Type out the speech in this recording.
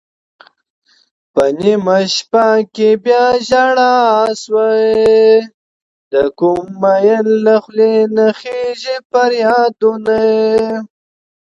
په نېمه شپه کې بياژړا سوه دکوم مين له خولې نه خيژي فريادونه